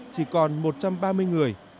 chỉ còn một trăm ba mươi người